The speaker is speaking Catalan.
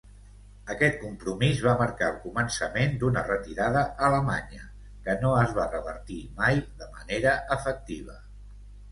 Aquest compromís va marcar el començament d'una retirada alemanya que no es va revertir mai de manera efectiva.